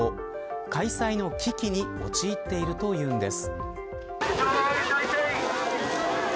開催の危機に陥っているというんです。